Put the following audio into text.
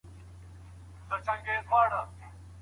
د بریا لاره یوازي د هوښیارو خلګو لپاره نه سي هوارېدای.